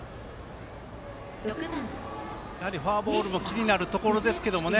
やはりフォアボールも気になるところですけどね